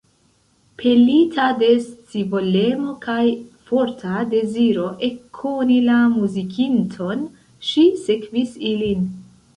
Pelita de scivolemo kaj forta deziro ekkoni la muzikinton, ŝi sekvis ilin.